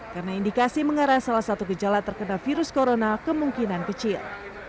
karena indikasi mengarah salah satu gejala terkena virus corona kemungkinan kecil